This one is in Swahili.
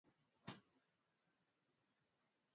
Alikuwa pia mkuu wa Harakati ya Wokovu ya Kizalendo